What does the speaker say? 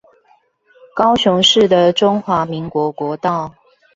高雄市的中華民國國道